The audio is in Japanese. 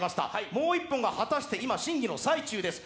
もう１本が果たして、今、審議の最中です。